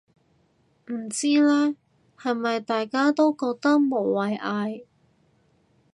唔知呢，係咪大家覺得無謂嗌